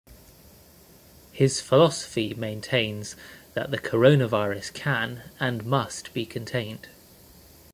His philosophy maintains that the coronavirus can and must be contained.